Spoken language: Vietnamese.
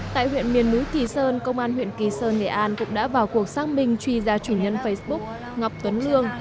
tại huyện miền núi kỳ sơn công an huyện kỳ sơn nghệ an cũng đã vào cuộc xác minh truy ra chủ nhân facebook ngọc tuấn lương